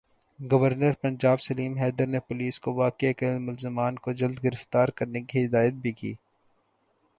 governor Punjab Salim Haider نے police کو واقعے کے ملزمان کو جلد گرفتار کرنے کی ہدایت بھی کی